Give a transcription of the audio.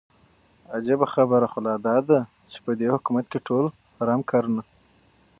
عجيبه خبره خو لا داده چې په دې حكومت كې ټول حرام كارونه